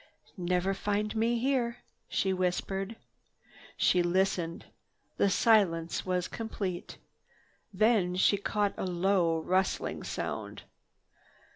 "Never find me here," she whispered. She listened. The silence was complete. Then she caught a low, rustling sound.